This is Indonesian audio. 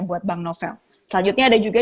buat bank novel selanjutnya ada juga